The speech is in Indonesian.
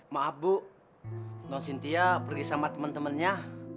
maaf bu non sintia pergi sama temen temennya